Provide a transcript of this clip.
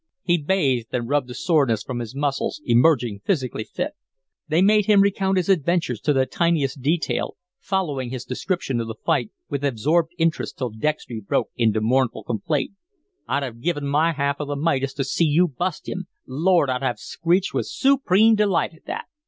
He bathed and rubbed the soreness from his muscles, emerging physically fit. They made him recount his adventures to the tiniest detail, following his description of the fight with absorbed interest till Dextry broke into mournful complaint: "I'd have give my half of the Midas to see you bust him. Lord, I'd have screeched with soopreme delight at that."